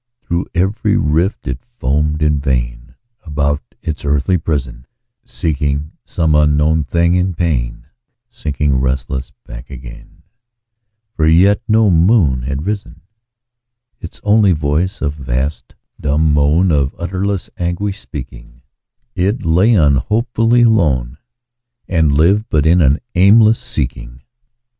Through every rift it foamed in vain, About its earthly prison, Seeking some unknown thing in pain, And sinking restless back again, For yet no moon had risen: Its only voice a vast dumb moan, Of utterless anguish speaking, It lay unhopefully alone, And lived but in an aimless seeking.